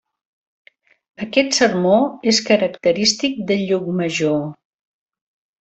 Aquest sermó és característic de Llucmajor.